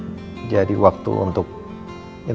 tepat di sekianter